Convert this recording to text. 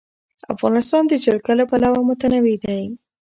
افغانستان د جلګه له پلوه متنوع دی.